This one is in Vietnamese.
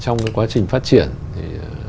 trong quá trình phát triển thì